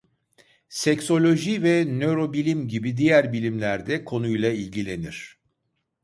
Seksoloji ve nörobilim gibi diğer bilimler de konuyla ilgilenir.